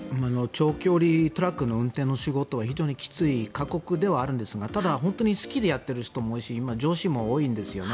長距離トラックの運転の仕事は非常にきつい過酷ではあるんですがただ本当に好きでやっている人も多いんですよね。